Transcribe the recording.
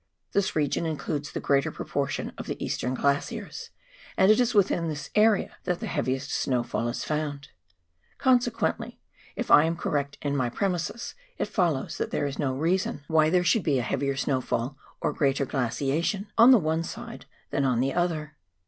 This region includes the greater proportion of the eastern glaciers, and it is within this area that the heaviest snowfall is found. Consequently, if I am correct in my premises, it follows that there is no reason why there 318 APPENDIX. should be a heavier snowfall, or greater glaciation, on the one side than on the other.